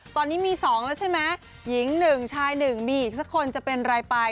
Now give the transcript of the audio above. ตอนนี้มีสองแล้วใช่ไหมหญิงหนึ่งชายหนึ่งมีอีกสักคนจะเป็นรายไป